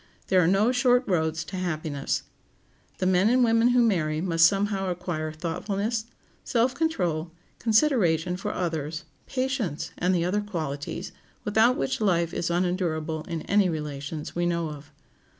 There are no short roads to happiness. The men and women who marry must somehow acquire thoughtfulness, self control, consideration for others, patience, and the other qualities, without which life is unendurable in any relations we know of.